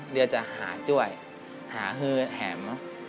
เดี๋ยวจะหาจ้วยหาฮือแถม